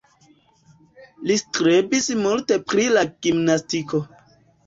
Li strebis multe pri la gimnastiko.